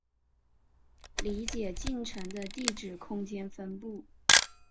理解进程的地址空间分布